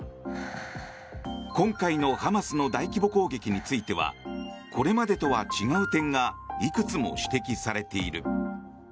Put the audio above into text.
今回のハマスの大規模攻撃についてはこれまでとは違う点がいくつも指摘されている。